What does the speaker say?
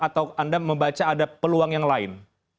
atau anda membaca ada peluang yang lain